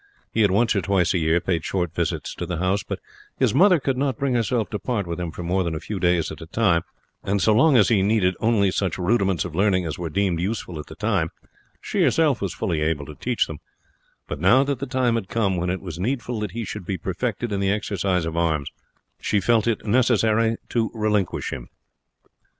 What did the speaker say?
He had once or twice a year paid short visits to the house, but his mother could not bring herself to part with him for more than a few days at a time; and so long as he needed only such rudiments of learning as were deemed useful at the time, she herself was fully able to teach them; but now that the time had come when it was needful that he should be perfected in the exercises of arms, she felt it necessary to relinquish him.